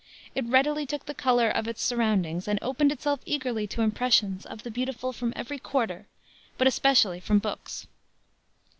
It readily took the color of its surroundings and opened itself eagerly to impressions of the beautiful from every quarter, but especially from books.